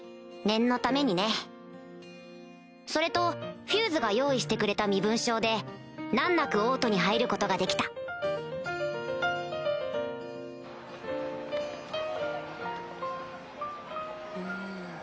念のためにねそれとフューズが用意してくれた身分証で難なく王都に入ることができたん。